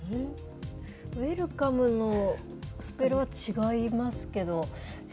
ウエルカムのスペルが違いますけど。